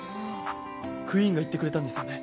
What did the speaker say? クイーンが言ってくれたんですよね？